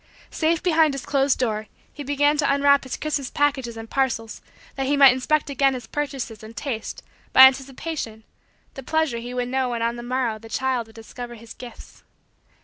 Safe behind his closed door, he began to unwrap his Christmas packages and parcels that he might inspect again his purchases and taste, by anticipation, the pleasure he would know when on the morrow the child would discover his gifts.